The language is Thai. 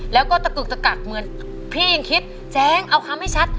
แล้วก็ตะกึกตะกักเหมือนพี่ยังคิดแจ้งเอาคำให้ชัด